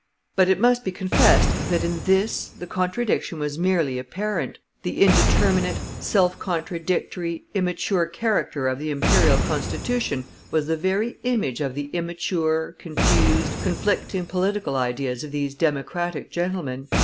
But it must be confessed that in this the contradiction was merely apparent. The indeterminate, self contradictory, immature character of the Imperial Constitution was the very image of the immature, confused, conflicting political ideas of these Democratic gentlemen.